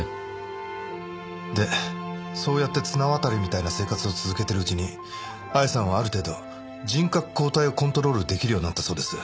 でそうやって綱渡りみたいな生活を続けてるうちに愛さんはある程度人格交代をコントロール出来るようになったそうです。